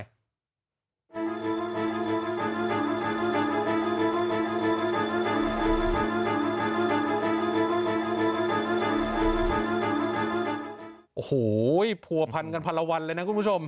โอ้โหผัวพันกันพันละวันเลยนะคุณผู้ชม